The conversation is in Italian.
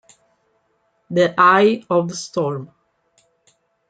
The Eye of the Storm".